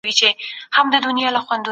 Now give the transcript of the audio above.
ولې د کالوري کمښت وزن کموي؟